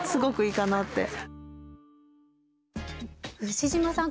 牛島さん